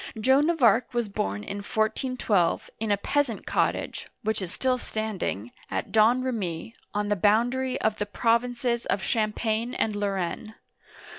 Joan of Arc was born in 1412, in a peasant cottage — which is still standing — at Domremy (d6N re mee')on the boundary of the provinces of Champagne and Lorraine.